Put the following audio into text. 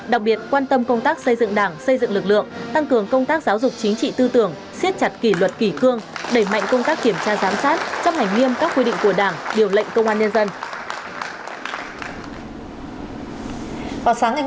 đặc biệt quan tâm công tác xây dựng đảng xây dựng lực lượng tăng cường công tác giáo dục chính trị tư tưởng siết chặt kỷ luật kỷ cương